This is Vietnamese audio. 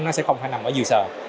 nó sẽ không phải nằm ở dự sở